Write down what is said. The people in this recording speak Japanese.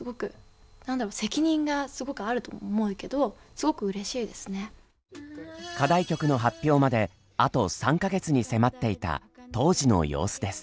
すごく何だろ課題曲の発表まであと３か月に迫っていた当時の様子です。